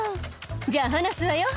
「じゃあ離すわよ」